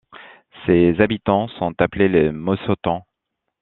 Ses habitants sont appelés les Mossetans.